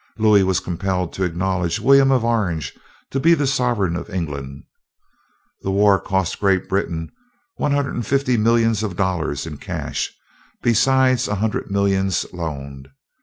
Louis was compelled to acknowledge William of Orange to be the sovereign of England. That war cost Great Britain one hundred and fifty millions of dollars in cash, besides a hundred millions loaned.